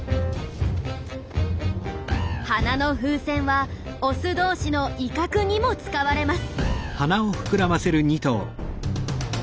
鼻の風船はオス同士の威嚇にも使われます。